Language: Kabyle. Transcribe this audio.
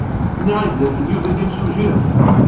Nniɣ-ak dakken Yuba d imsujji?